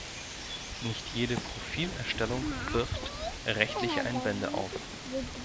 Nicht jede Profilerstellung wirft rechtliche Einwände auf.